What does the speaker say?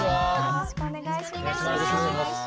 よろしくお願いします。